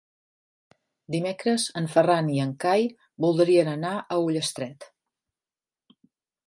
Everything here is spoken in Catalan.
Dimecres en Ferran i en Cai voldrien anar a Ullastret.